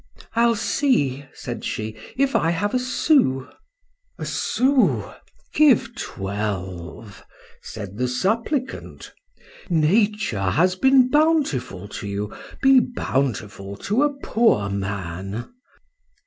—I'll see, said she, if I have a sous. A sous! give twelve, said the supplicant; Nature has been bountiful to you, be bountiful to a poor man.